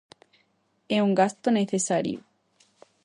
É un gasto necesario.